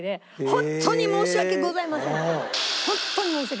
本当に申し訳ございませんって謝って。